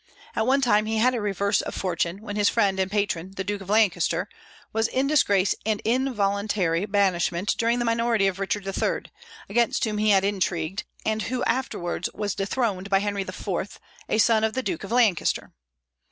At one time he had a reverse of fortune, when his friend and patron, the Duke of Lancaster, was in disgrace and in voluntary banishment during the minority of Richard II., against whom he had intrigued, and who afterwards was dethroned by Henry IV., a son of the Duke of Lancaster.